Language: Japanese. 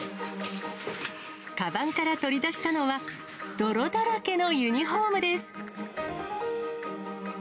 かばんから取り出したのは、泥だらけのユニホームです。